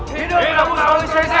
hidup rangus rosesa